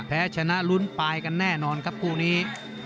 แพ้ชนะลุ้นปลายกันแน่นอนครับคู่นี้